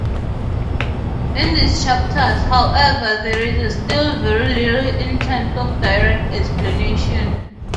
In these chapters, however, there is still very little in terms of direct explanation.